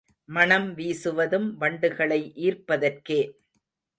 மணம் வீசுவதும் வண்டுகளை ஈர்ப்பதற்கே.